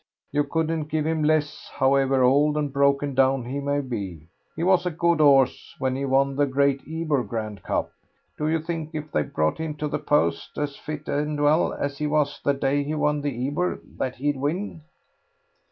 You couldn't give him less, however old and broken down he may be. He was a good horse when he won the Great Ebor Grand Cup." "Do you think if they brought him to the post as fit and well as he was the day he won the Ebor that he'd win?"